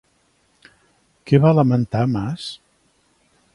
Què va lamentar Mas?